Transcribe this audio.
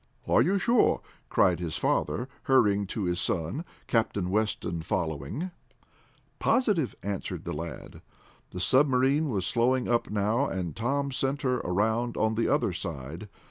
"Are you sure?" cried his father, hurrying to his son, Captain Weston following. "Positive," answered the lad. The submarine was slowing up now, and Tom sent her around on the other side.